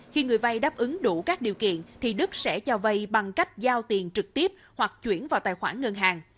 khi người vay đáp ứng đủ các điều kiện thì đức sẽ cho vay bằng cách giao tiền trực tiếp hoặc chuyển vào tài khoản ngân hàng